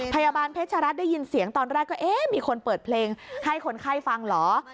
พยาบาลเพชรรัฐได้ยินเสียงตอนแรกก็เอ๊ะมีคนเปิดเพลงให้คนไข้ฟังเหรอ